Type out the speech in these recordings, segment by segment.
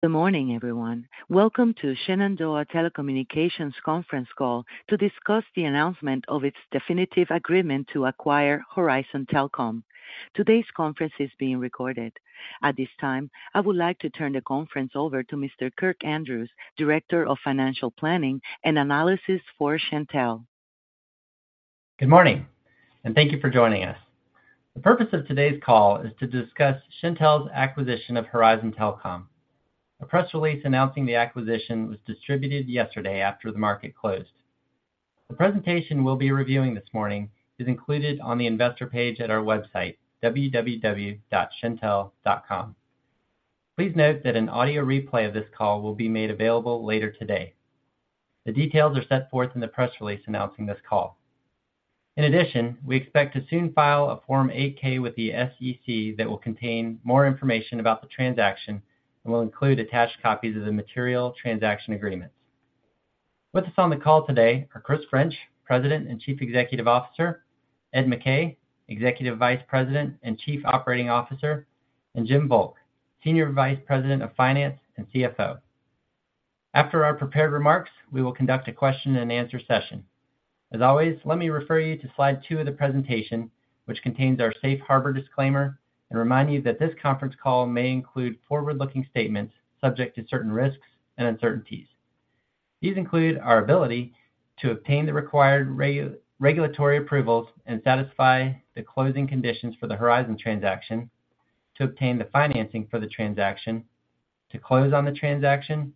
Good morning, everyone. Welcome to Shenandoah Telecommunications conference call to discuss the announcement of its definitive agreement to acquire Horizon Telcom. Today's conference is being recorded. At this time, I would like to turn the conference over to Mr. Kirk Andrews, Director of Financial Planning and Analysis for Shentel. Good morning, and thank you for joining us. The purpose of today's call is to discuss Shentel's acquisition of Horizon Telcom. A press release announcing the acquisition was distributed yesterday after the market closed. The presentation we'll be reviewing this morning is included on the investor page at our website, www.shentel.com. Please note that an audio replay of this call will be made available later today. The details are set forth in the press release announcing this call. In addition, we expect to soon file a Form 8-K with the SEC that will contain more information about the transaction and will include attached copies of the material transaction agreements. With us on the call today are Chris French, President and Chief Executive Officer, Ed McKay, Executive Vice President and Chief Operating Officer, and Jim Volk, Senior Vice President of Finance and CFO. After our prepared remarks, we will conduct a question and answer session. As always, let me refer you to slide two of the presentation, which contains our safe harbor disclaimer, and remind you that this conference call may include forward-looking statements subject to certain risks and uncertainties. These include our ability to obtain the required regulatory approvals and satisfy the closing conditions for the Horizon transaction, to obtain the financing for the transaction, to close on the transaction,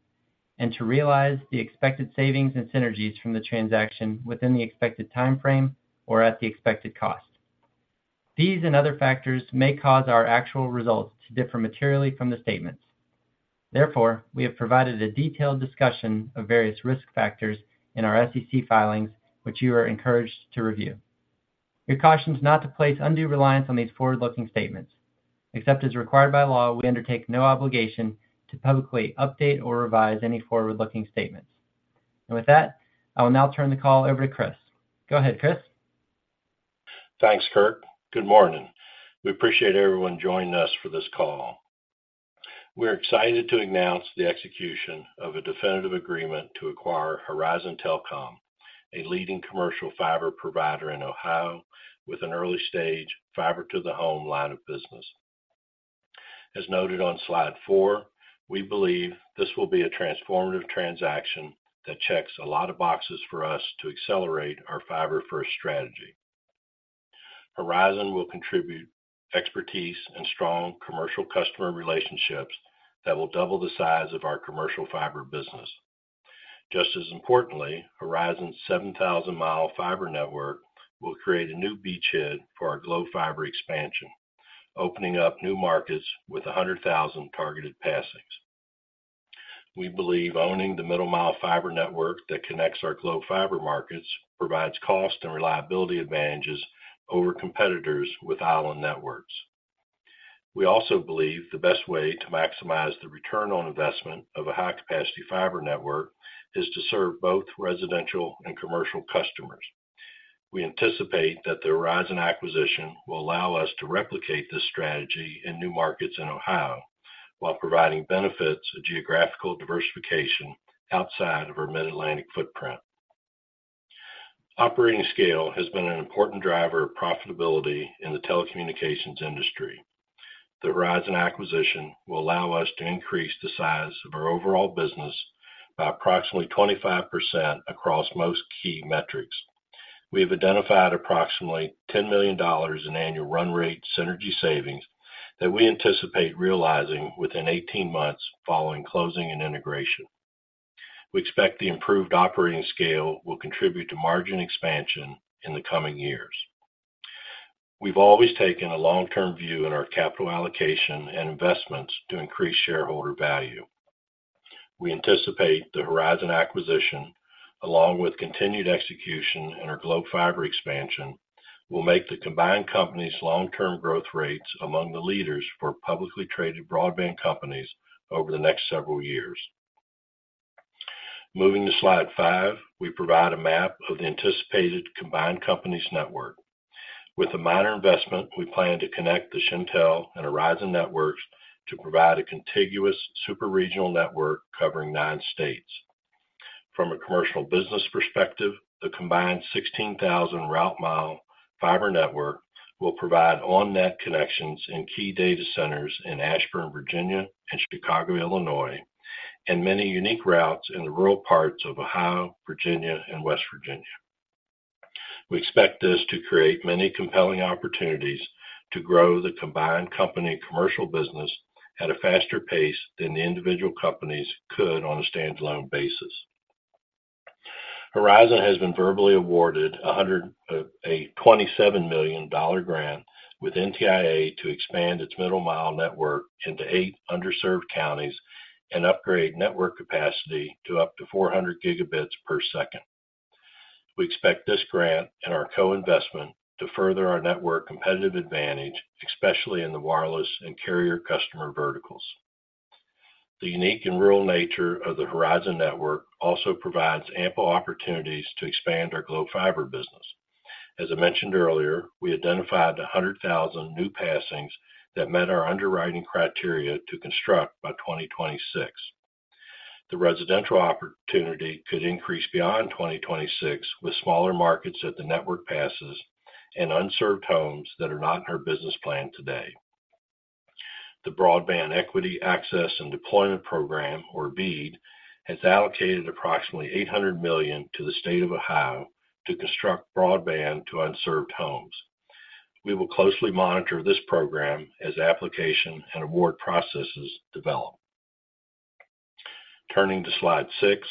and to realize the expected savings and synergies from the transaction within the expected timeframe or at the expected cost. These and other factors may cause our actual results to differ materially from the statements. Therefore, we have provided a detailed discussion of various risk factors in our SEC filings, which you are encouraged to review. We caution you not to place undue reliance on these forward-looking statements. Except as required by law, we undertake no obligation to publicly update or revise any forward-looking statements. With that, I will now turn the call over to Chris. Go ahead, Chris. Thanks, Kirk. Good morning. We appreciate everyone joining us for this call. We're excited to announce the execution of a definitive agreement to acquire Horizon Telcom, a leading commercial fiber provider in Ohio, with an early-stage fiber-to-the-home line of business. As noted on slide four, we believe this will be a transformative transaction that checks a lot of boxes for us to accelerate our fiber-first strategy. Horizon will contribute expertise and strong commercial customer relationships that will double the size of our commercial fiber business. Just as importantly, Horizon's 7,000-mile fiber network will create a new beachhead for our Glo Fiber expansion, opening up new markets with 100,000 targeted passings. We believe owning the middle-mile fiber network that connects our Glo Fiber markets provides cost and reliability advantages over competitors with island networks. We also believe the best way to maximize the return on investment of a high-capacity fiber network is to serve both residential and commercial customers. We anticipate that the Horizon acquisition will allow us to replicate this strategy in new markets in Ohio, while providing benefits of geographical diversification outside of our Mid-Atlantic footprint. Operating scale has been an important driver of profitability in the telecommunications industry. The Horizon acquisition will allow us to increase the size of our overall business by approximately 25% across most key metrics. We have identified approximately $10 million in annual run rate synergy savings that we anticipate realizing within 18 months following closing and integration. We expect the improved operating scale will contribute to margin expansion in the coming years. We've always taken a long-term view in our capital allocation and investments to increase shareholder value. We anticipate the Horizon acquisition, along with continued execution in our Glo Fiber expansion, will make the combined company's long-term growth rates among the leaders for publicly traded broadband companies over the next several years. Moving to slide five, we provide a map of the anticipated combined company's network. With a minor investment, we plan to connect the Shentel and Horizon networks to provide a contiguous super regional network covering nine states. From a commercial business perspective, the combined 16,000 route mile fiber network will provide on-net connections in key data centers in Ashburn, Virginia, and Chicago, Illinois, and many unique routes in the rural parts of Ohio, Virginia, and West Virginia. We expect this to create many compelling opportunities to grow the combined company commercial business at a faster pace than the individual companies could on a standalone basis. Horizon has been verbally awarded a hundred...a $27 million grant with NTIA to expand its middle Mile network into eight underserved counties and upgrade network capacity to up to 400 Gbps. We expect this grant and our co-investment to further our network competitive advantage, especially in the wireless and carrier customer verticals. The unique and rural nature of the Horizon network also provides ample opportunities to expand our Glo Fiber business. As I mentioned earlier, we identified 100,000 new passings that met our underwriting criteria to construct by 2026. The residential opportunity could increase beyond 2026, with smaller markets that the network passes and unserved homes that are not in our business plan today. The Broadband Equity Access and Deployment program, or BEAD, has allocated approximately $800 million to the state of Ohio to construct broadband to unserved homes. We will closely monitor this program as application and award processes develop. Turning to slide six,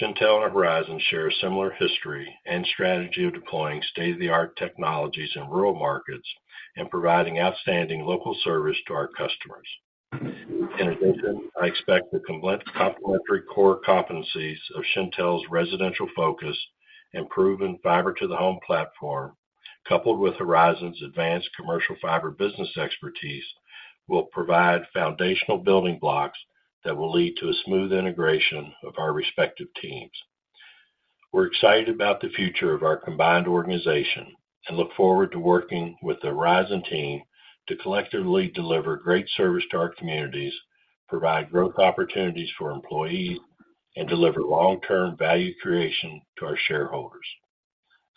Shentel and Horizon share a similar history and strategy of deploying state-of-the-art technologies in rural markets and providing outstanding local service to our customers. In addition, I expect the complementary core competencies of Shentel's residential focus and proven fiber-to-the-home platform, coupled with Horizon's advanced commercial fiber business expertise, will provide foundational building blocks that will lead to a smooth integration of our respective teams. We're excited about the future of our combined organization and look forward to working with the Horizon team to collectively deliver great service to our communities, provide growth opportunities for employees, and deliver long-term value creation to our shareholders.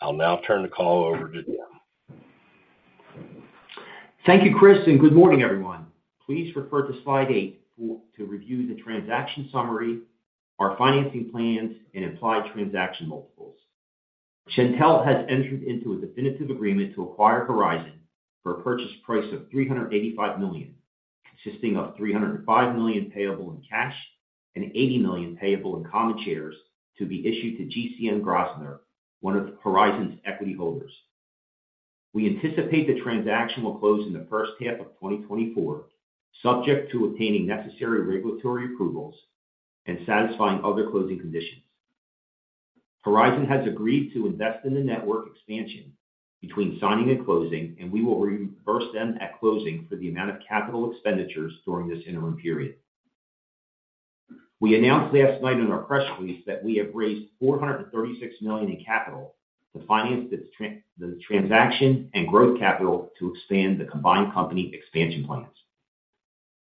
I'll now turn the call over to Jim. Thank you, Chris, and good morning, everyone. Please refer to slide eight for to review the transaction summary, our financing plans, and implied transaction multiples. Shentel has entered into a definitive agreement to acquire Horizon for a purchase price of $385 million, consisting of $305 million payable in cash and $80 million payable in common shares to be issued to GCM Grosvenor, one of Horizon's equity holders. We anticipate the transaction will close in the first half of 2024, subject to obtaining necessary regulatory approvals and satisfying other closing conditions. Horizon has agreed to invest in the network expansion between signing and closing, and we will reimburse them at closing for the amount of capital expenditures during this interim period. We announced last night in our press release that we have raised $436 million in capital to finance the transaction and growth capital to expand the combined company expansion plans.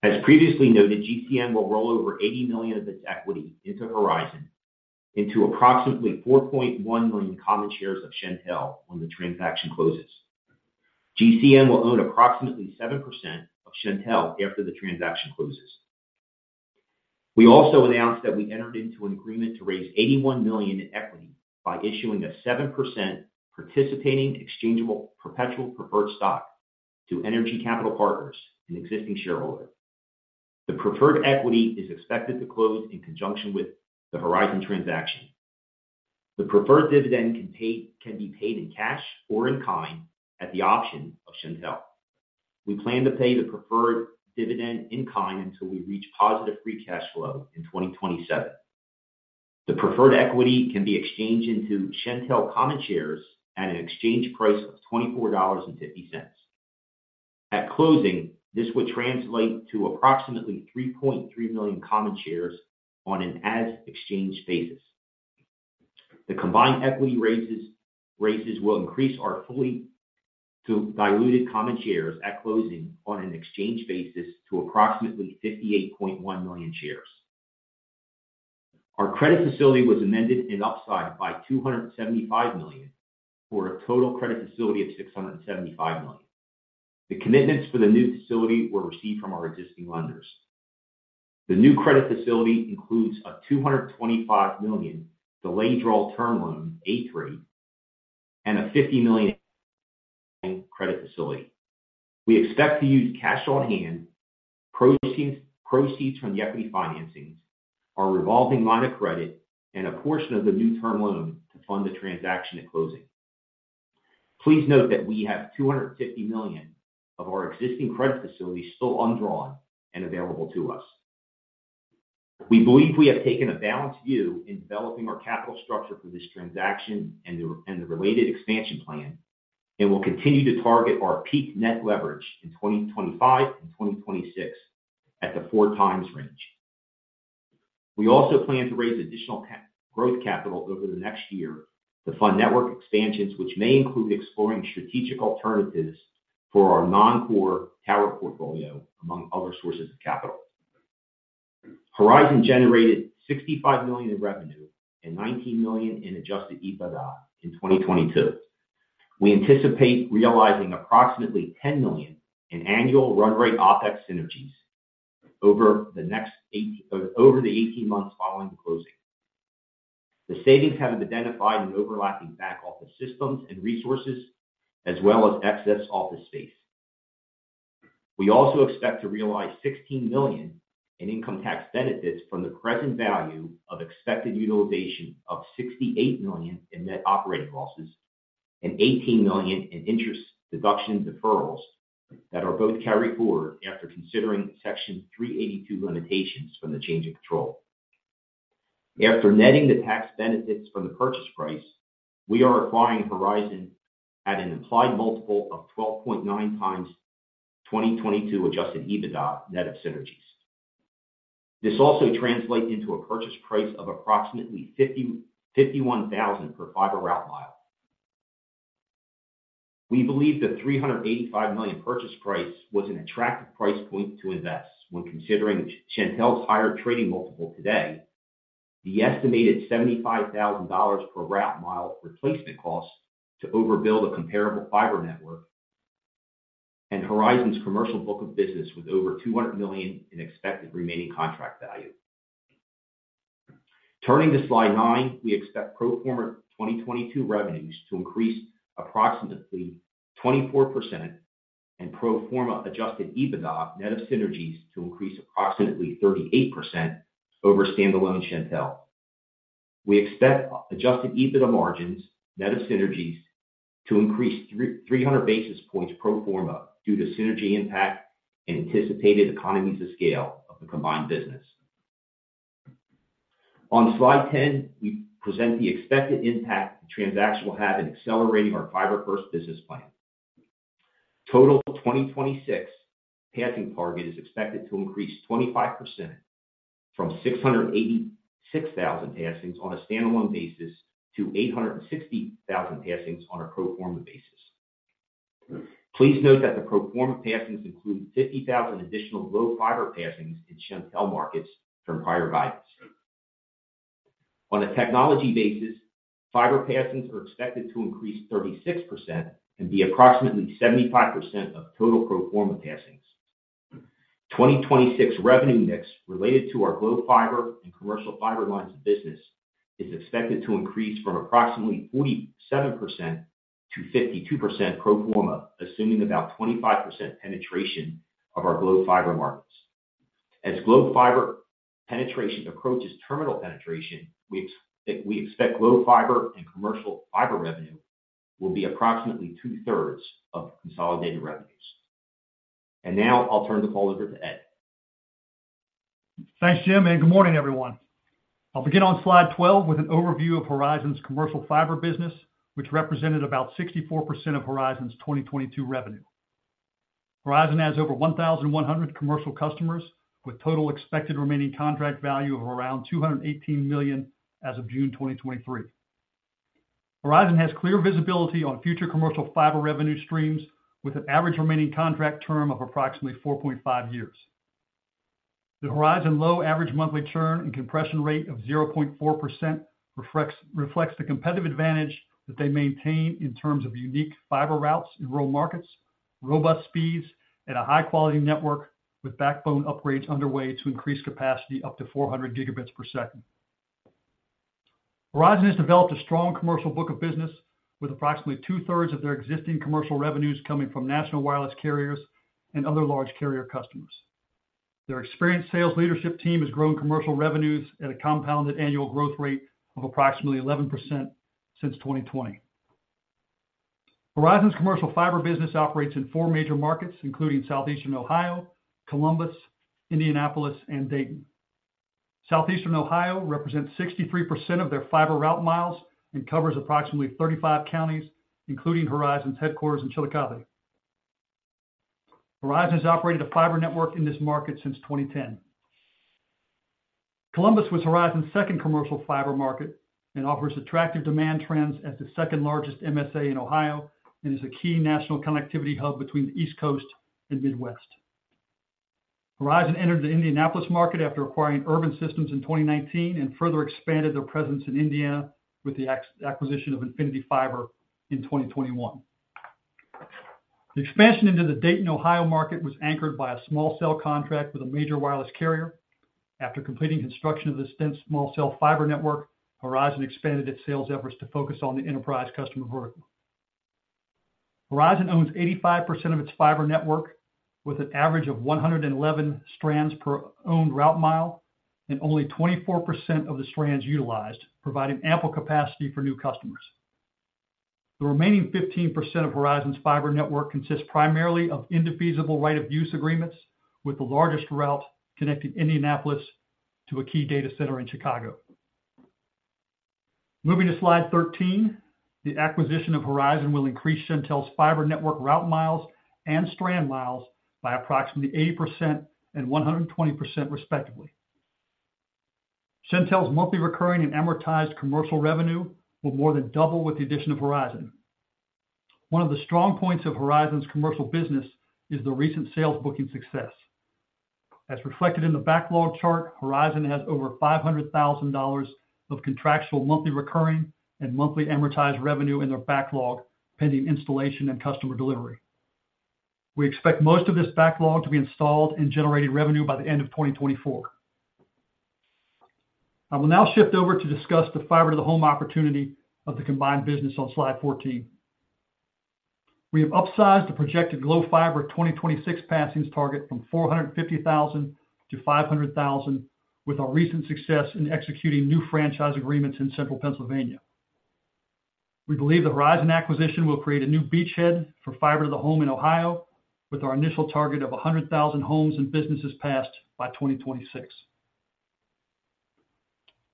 As previously noted, GCM will roll over $80 million of its equity into Horizon into approximately 4.1 million common shares of Shentel when the transaction closes. GCM will own approximately 7% of Shentel after the transaction closes. We also announced that we entered into an agreement to raise $81 million in equity by issuing a 7% participating, exchangeable, perpetual preferred stock to Energy Capital Partners, an existing shareholder. The preferred equity is expected to close in conjunction with the Horizon transaction. The preferred dividend can be paid in cash or in kind at the option of Shentel. We plan to pay the preferred dividend in kind until we reach positive free cash flow in 2027. The preferred equity can be exchanged into Shentel common shares at an exchange price of $24.50. At closing, this would translate to approximately 3.3 million common shares on an as-exchanged basis. The combined equity raises will increase our fully diluted common shares at closing on an exchange basis to approximately 58.1 million shares. Our credit facility was amended and upsized by $275 million, for a total credit facility of $675 million. The commitments for the new facility were received from our existing lenders. The new credit facility includes a $225 million Delayed Draw Term Loan A-3 and a $50 million credit facility. We expect to use cash on hand, proceeds from the equity financings, our revolving line of credit, and a portion of the new term loan to fund the transaction at closing. Please note that we have $250 million of our existing credit facility still undrawn and available to us. We believe we have taken a balanced view in developing our capital structure for this transaction and the related expansion plan, and will continue to target our peak net leverage in 2025 and 2026 at the 4x range. We also plan to raise additional growth capital over the next year to fund network expansions, which may include exploring strategic alternatives for our non-core tower portfolio, among other sources of capital. Horizon generated $65 million in revenue and $19 million in adjusted EBITDA in 2022. We anticipate realizing approximately $10 million in annual run rate OpEx synergies over the next eight-- over the 18 months following the closing. The savings have identified in overlapping back office systems and resources, as well as excess office space. We also expect to realize $16 million in income tax benefits from the present value of expected utilization of $68 million in net operating losses and $18 million in interest deduction deferrals, that are both carried forward after considering Section 382 limitations from the change in control. After netting the tax benefits from the purchase price, we are acquiring Horizon at an implied multiple of 12.9x 2022 adjusted EBITDA net of synergies. This also translates into a purchase price of approximately $51,000 per fiber route mile. We believe the $385 million purchase price was an attractive price point to invest when considering Shentel's higher trading multiple today, the estimated $75,000 per route mile replacement costs to overbuild a comparable fiber network, and Horizon's commercial book of business with over $200 million in expected remaining contract value. Turning to slide nine, we expect pro forma 2022 revenues to increase approximately 24% and pro forma adjusted EBITDA net of synergies to increase approximately 38% over standalone Shentel. We expect adjusted EBITDA margins, net of synergies, to increase 300 basis points pro forma due to synergy impact and anticipated economies of scale of the combined business. On slide 10, we present the expected impact the transaction will have in accelerating our fiber-first business plan. Total 2026 passing target is expected to increase 25% from 686,000 passings on a standalone basis to 860,000 passings on a pro forma basis. Please note that the pro forma passings include 50,000 additional Glo Fiber passings in Shentel markets from prior guidance. On a technology basis, fiber passings are expected to increase 36% and be approximately 75% of total pro forma passings. 2026 revenue mix related to our Glo Fiber and commercial fiber lines of business is expected to increase from approximately 47% to 52% pro forma, assuming about 25% penetration of our Glo Fiber markets. As Glo Fiber penetration approaches terminal penetration, we expect Glo Fiber and commercial fiber revenue will be approximately 2/3 of consolidated revenues. And now I'll turn the call over to Ed. Thanks, Jim, and good morning, everyone. I'll begin on slide 12 with an overview of Horizon's commercial fiber business, which represented about 64% of Horizon's 2022 revenue. Horizon has over 1,100 commercial customers with total expected remaining contract value of around $218 million as of June 2023. Horizon has clear visibility on future commercial fiber revenue streams, with an average remaining contract term of approximately 4.5 years. The Horizon low average monthly churn and compression rate of 0.4% reflects the competitive advantage that they maintain in terms of unique fiber routes in rural markets, robust speeds, and a high-quality network with backbone upgrades underway to increase capacity up to 400 Gbps. Horizon has developed a strong commercial book of business with approximately two-thirds of their existing commercial revenues coming from national wireless carriers and other large carrier customers. Their experienced sales leadership team has grown commercial revenues at a compounded annual growth rate of approximately 11% since 2020. Horizon's commercial fiber business operates in 4 major markets, including Southeastern Ohio, Columbus, Indianapolis, and Dayton. Southeastern Ohio represents 63% of their fiber route miles and covers approximately 35 counties, including Horizon's headquarters in Chillicothe. Horizon has operated a fiber network in this market since 2010. Columbus was Horizon's second commercial fiber market and offers attractive demand trends as the second-largest MSA in Ohio and is a key national connectivity hub between the East Coast and Midwest. Horizon entered the Indianapolis market after acquiring Urban Systems in 2019 and further expanded their presence in Indiana with the acquisition of Infinity Fiber in 2021. The expansion into the Dayton, Ohio, market was anchored by a small cell contract with a major wireless carrier. After completing construction of the dense small cell fiber network, Horizon expanded its sales efforts to focus on the enterprise customer vertical. Horizon owns 85% of its fiber network, with an average of 111 strands per owned route mile and only 24% of the strands utilized, providing ample capacity for new customers. The remaining 15% of Horizon's fiber network consists primarily of indefeasible right of use agreements, with the largest route connecting Indianapolis to a key data center in Chicago. Moving to slide 13, the acquisition of Horizon will increase Shentel's fiber network route miles and strand miles by approximately 80% and 120%, respectively. Shentel's monthly recurring and amortized commercial revenue will more than double with the addition of Horizon. One of the strong points of Horizon's commercial business is the recent sales booking success. As reflected in the backlog chart, Horizon has over $500,000 of contractual monthly recurring and monthly amortized revenue in their backlog, pending installation and customer delivery. We expect most of this backlog to be installed and generating revenue by the end of 2024. I will now shift over to discuss the fiber-to-the-home opportunity of the combined business on slide 14. We have upsized the projected Glo Fiber 2026 passings target from 450,000 to 500,000, with our recent success in executing new franchise agreements in central Pennsylvania. We believe the Horizon acquisition will create a new beachhead for fiber-to-the-home in Ohio, with our initial target of 100,000 homes and businesses passed by 2026.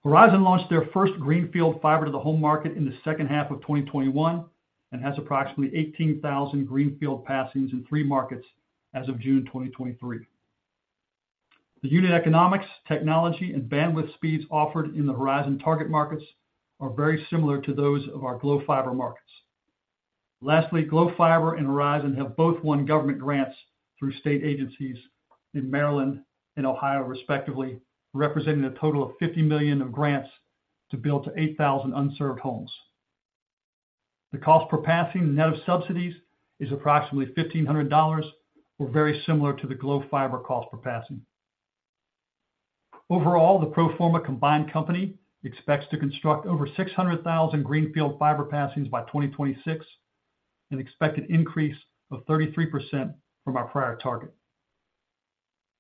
Horizon launched their first greenfield fiber-to-the-home market in the second half of 2021 and has approximately 18,000 greenfield passings in three markets as of June 2023. The unit economics, technology, and bandwidth speeds offered in the Horizon target markets are very similar to those of our Glo Fiber markets. Lastly, Glo Fiber and Horizon have both won government grants through state agencies in Maryland and Ohio, respectively, representing a total of $50 million of grants to build to 8,000 unserved homes. The cost per passing net of subsidies is approximately $1,500 or very similar to the Glo Fiber cost per passing. Overall, the pro forma combined company expects to construct over 600,000 greenfield fiber passings by 2026, an expected increase of 33% from our prior target.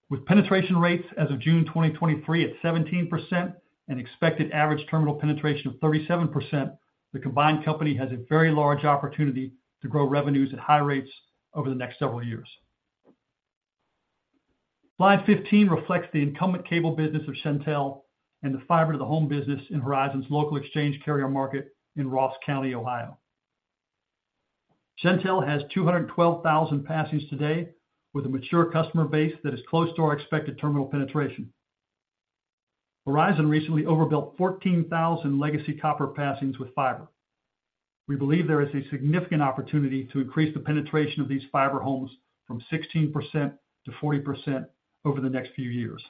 With penetration rates as of June 2023 at 17% and expected average terminal penetration of 37%, the combined company has a very large opportunity to grow revenues at high rates over the next several years. Slide 15 reflects the incumbent cable business of Shentel and the fiber-to-the-home business in Horizon's local exchange carrier market in Ross County, Ohio. Shentel has 212,000 passings today, with a mature customer base that is close to our expected terminal penetration. Horizon recently overbuilt 14,000 legacy copper passings with fiber. We believe there is a significant opportunity to increase the penetration of these fiber homes from 16% to 40% over the next few years.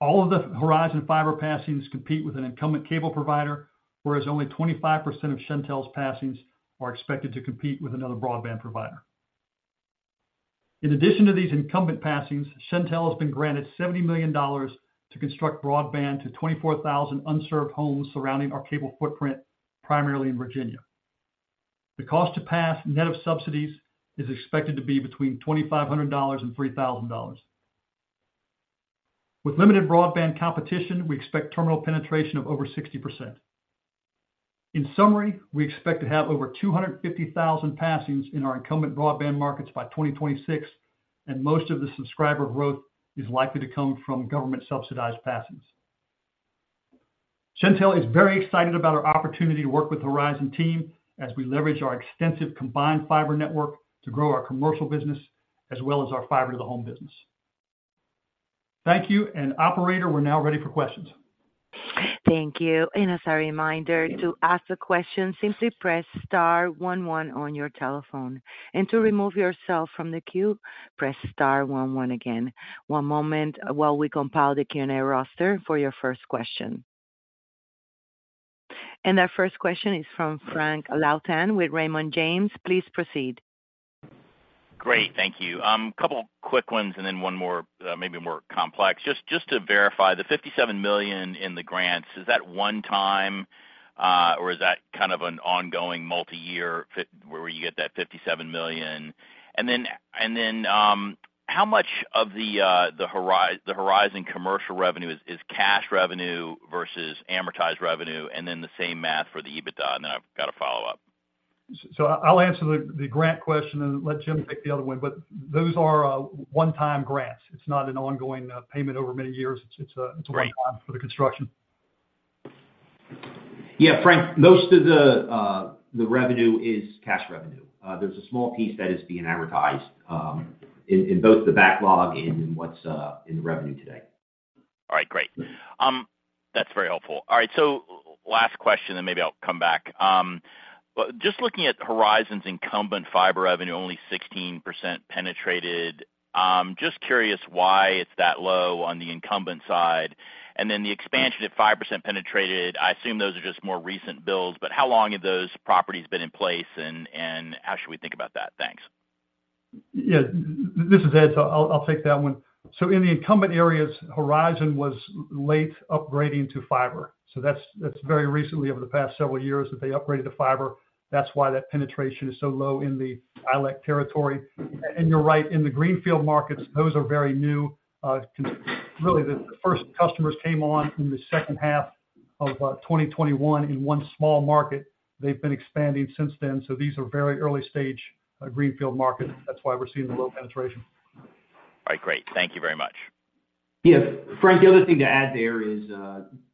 All of the Horizon fiber passings compete with an incumbent cable provider, whereas only 25% of Shentel's passings are expected to compete with another broadband provider. In addition to these incumbent passings, Shentel has been granted $70 million to construct broadband to 24,000 unserved homes surrounding our cable footprint, primarily in Virginia. The cost to pass net of subsidies is expected to be between $2,500 and $3,000. With limited broadband competition, we expect terminal penetration of over 60%. In summary, we expect to have over 250,000 passings in our incumbent broadband markets by 2026, and most of the subscriber growth is likely to come from government-subsidized passings. Shentel is very excited about our opportunity to work with the Horizon team as we leverage our extensive combined fiber network to grow our commercial business, as well as our fiber-to-the-home business. Thank you, and operator, we're now ready for questions. Thank you. As a reminder, to ask a question, simply press star one one on your telephone, and to remove yourself from the queue, press star one one again. One moment while we compile the Q&A roster for your first question. Our first question is from Frank Louthan with Raymond James. Please proceed. Great. Thank you. A couple quick ones, and then one more, maybe more complex. Just, just to verify, the $57 million in the grants, is that one time, or is that kind of an ongoing multiyear where you get that $57 million? And then, and then, how much of the, the Horizon, the Horizon commercial revenue is, is cash revenue versus amortized revenue? And then the same math for the EBITDA, and then I've got a follow-up. So I'll answer the grant question and let Jim take the other one. But those are one-time grants. It's not an ongoing payment over many years. Great. It's a one-time for the construction. Yeah, Frank, most of the revenue is cash revenue. There's a small piece that is being advertised in both the backlog and in what's in the revenue today. All right, great. That's very helpful. All right, so last question, then maybe I'll come back. Well, just looking at Horizon's incumbent fiber revenue, only 16% penetrated. Just curious why it's that low on the incumbent side, and then the expansion at 5% penetrated. I assume those are just more recent builds, but how long have those properties been in place, and how should we think about that? Thanks. Yeah. This is Ed, so I'll take that one. So in the incumbent areas, Horizon was late upgrading to fiber. So that's very recently, over the past several years, that they upgraded to fiber. That's why that penetration is so low in the ILEC territory. And you're right, in the greenfield markets, those are very new. Really, the first customers came on in the second half of 2021 in one small market. They've been expanding since then, so these are very early stage greenfield markets. That's why we're seeing the low penetration. All right, great. Thank you very much. Yeah. Frank, the other thing to add there is,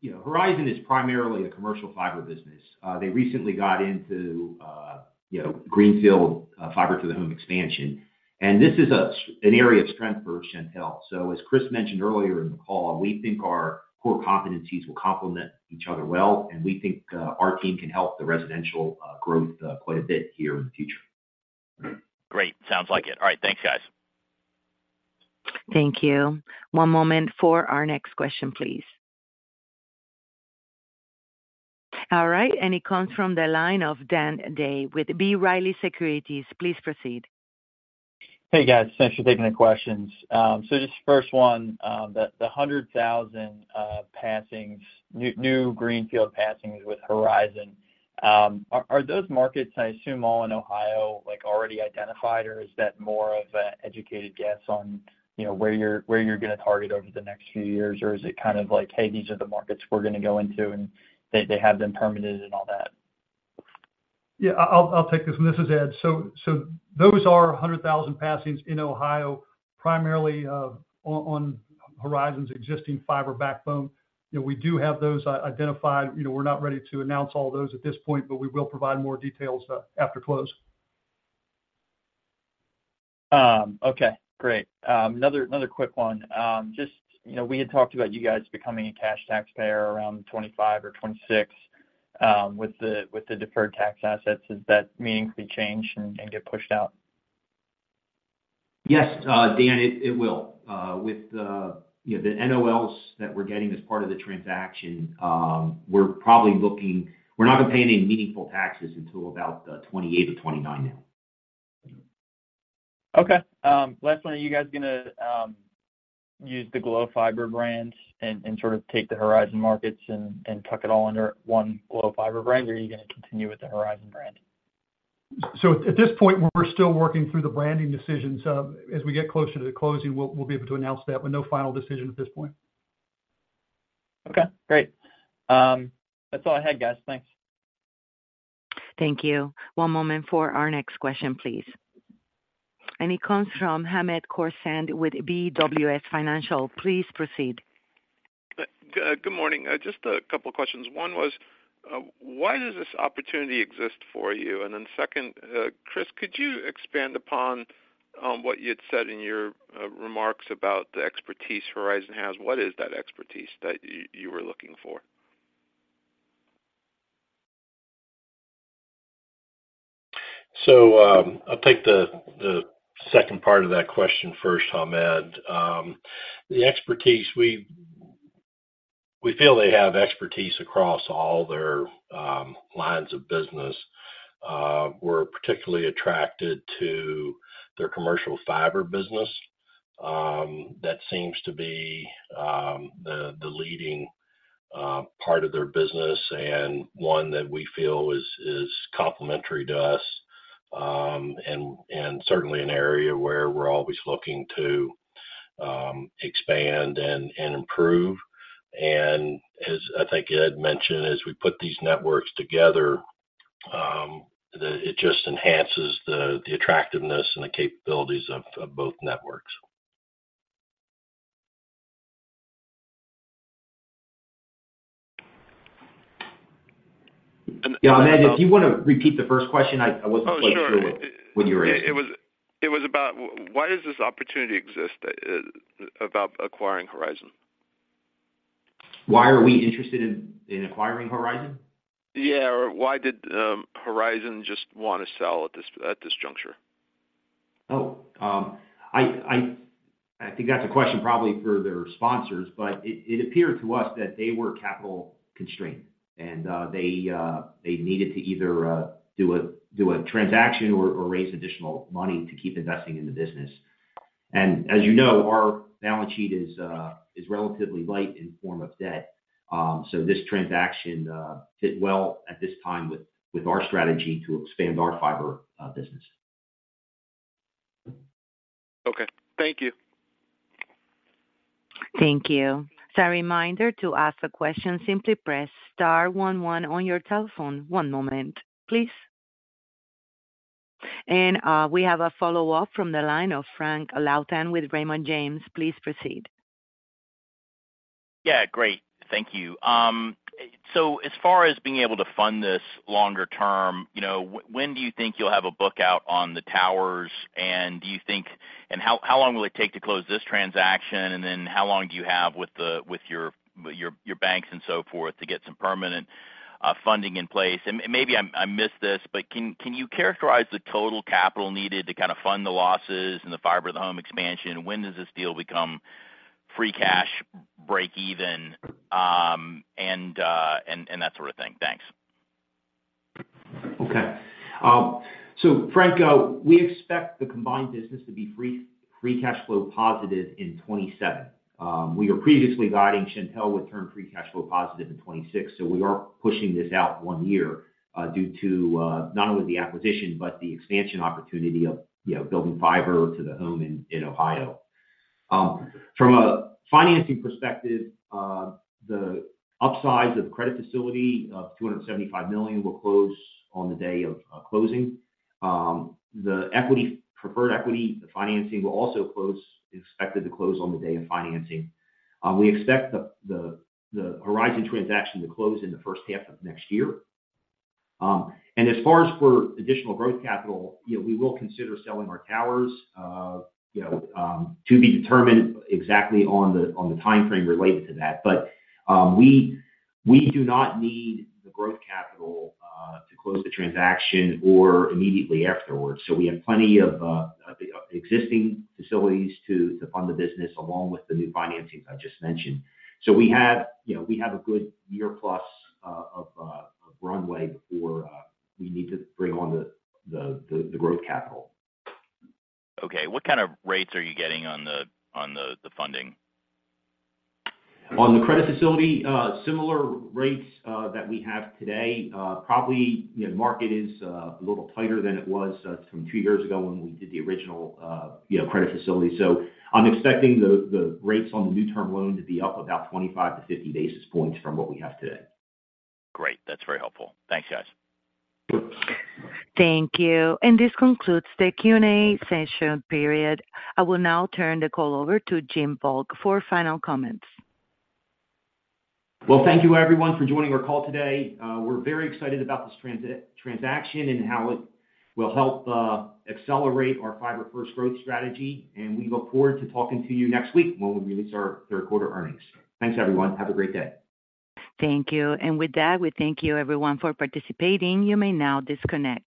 you know, Horizon is primarily a commercial fiber business. They recently got into, you know, greenfield, fiber-to-the-home expansion, and this is an area of strength for Shentel. So as Chris mentioned earlier in the call, we think our core competencies will complement each other well, and we think, our team can help the residential, growth, quite a bit here in the future. Great. Sounds like it. All right. Thanks, guys. Thank you. One moment for our next question, please. All right, and it comes from the line of Dan Day with B. Riley Securities. Please proceed. Hey, guys. Thanks for taking the questions. So just first one, the hundred thousand passings, new greenfield passings with Horizon, are those markets, I assume, all in Ohio, like, already identified, or is that more of an educated guess on, you know, where you're going to target over the next few years? Or is it kind of like, hey, these are the markets we're going to go into, and they have them permitted and all that? Yeah, I'll, I'll take this, and this is Ed. So, so those are 100,000 passings in Ohio, primarily, on, on Horizon's existing fiber backbone. You know, we do have those identified. You know, we're not ready to announce all those at this point, but we will provide more details after close. Okay, great. Another quick one. Just, you know, we had talked about you guys becoming a cash taxpayer around 2025 or 2026, with the deferred tax assets. Does that meaningfully change and get pushed out? Yes, Dan, it, it will. With the, you know, the NOLs that we're getting as part of the transaction, we're probably looking—we're not gonna pay any meaningful taxes until about 2028 or 2029 now. Okay. Last one. Are you guys gonna use the Glo Fiber brand and sort of take the Horizon markets and tuck it all under one Glo Fiber brand, or are you gonna continue with the Horizon brand? So at this point, we're still working through the branding decisions. As we get closer to the closing, we'll be able to announce that, but no final decision at this point. Okay, great. That's all I had, guys. Thanks. Thank you. One moment for our next question, please. It comes from Hamed Khorsand with BWS Financial. Please proceed. Good morning. Just a couple of questions. One was, why does this opportunity exist for you? And then second, Chris, could you expand upon, what you had said in your, remarks about the expertise Horizon has? What is that expertise that you were looking for? So, I'll take the second part of that question first, Hamed. The expertise, we feel they have expertise across all their lines of business. We're particularly attracted to their commercial fiber business. That seems to be the leading part of their business and one that we feel is complementary to us, and certainly an area where we're always looking to expand and improve. And as I think Ed mentioned, as we put these networks together, it just enhances the attractiveness and the capabilities of both networks. Yeah, Hamed, if you want to repeat the first question, I, I wasn't quite sure- Oh, sure. what you were asking. It was, it was about why does this opportunity exist, about acquiring Horizon? Why are we interested in acquiring Horizon? Yeah, or why did Horizon just want to sell at this juncture? I think that's a question probably for their sponsors, but it appeared to us that they were capital constrained, and they needed to either do a transaction or raise additional money to keep investing in the business. As you know, our balance sheet is relatively light in form of debt. This transaction fit well at this time with our strategy to expand our fiber business. Okay, thank you. Thank you. As a reminder, to ask a question, simply press star one one on your telephone. One moment, please. And we have a follow-up from the line of Frank Louthan with Raymond James. Please proceed. Yeah, great. Thank you. So as far as being able to fund this longer term, you know, when do you think you'll have a book out on the towers? And do you think... And how long will it take to close this transaction? And then how long do you have with your banks and so forth, to get some permanent funding in place? And maybe I missed this, but can you characterize the total capital needed to kind of fund the losses and the fiber-to-the-home expansion? When does this deal become free cash, break even, and that sort of thing? Thanks. Okay. So Frank, we expect the combined business to be free, free cash flow positive in 2027. We were previously guiding Shentel with term free cash flow positive in 2026, so we are pushing this out one year, due to not only the acquisition, but the expansion opportunity of, you know, building fiber-to-the-home in Ohio. From a financing perspective, the upsize of credit facility of $275 million will close on the day of closing. The equity, preferred equity, the financing will also close... expected to close on the day of financing. We expect the Horizon transaction to close in the first half of next year. As far as for additional growth capital, you know, we will consider selling our towers, you know, to be determined exactly on the timeframe related to that. But we do not need the growth capital to close the transaction or immediately afterwards. We have plenty of existing facilities to fund the business, along with the new financings I just mentioned. You know, we have a good year plus of runway before we need to bring on the growth capital. Okay. What kind of rates are you getting on the funding? On the credit facility, similar rates that we have today, probably, you know, market is a little tighter than it was from two years ago when we did the original, you know, credit facility. So I'm expecting the rates on the new term loan to be up about 25-50 basis points from what we have today. Great. That's very helpful. Thanks, guys. Thank you. This concludes the Q&A session period. I will now turn the call over to Jim Volk for final comments. Well, thank you, everyone, for joining our call today. We're very excited about this transaction and how it will help accelerate our fiber-first growth strategy, and we look forward to talking to you next week when we release our third quarter earnings. Thanks, everyone. Have a great day. Thank you. With that, we thank you everyone for participating. You may now disconnect.